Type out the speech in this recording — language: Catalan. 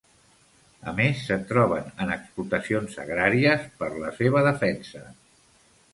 A més, se'n troben en explotacions agràries per la seva defensa.